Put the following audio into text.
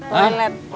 pak bagaimana sih ge